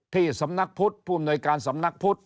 ที่สำนักพุทธผู้อำนวยการสำนักพุทธ